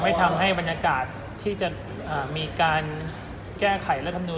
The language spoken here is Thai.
ทำให้บรรยากาศที่จะมีการแก้ไขรัฐมนุน